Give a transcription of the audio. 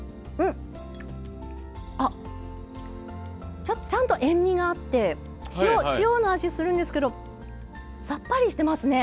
あっちゃんと塩味があって塩の味するんですけどさっぱりしてますね。